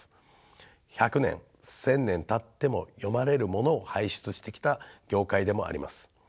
百年千年たっても読まれるものを輩出してきた業界でもあります。